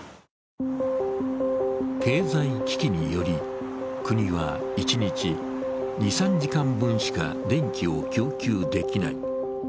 経済危機により、国は一日２３時間分しか電気を供給できない。